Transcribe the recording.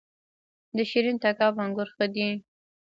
د شیرین تګاب انګور ښه دي